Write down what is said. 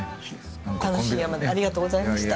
楽しい山でありがとうございました。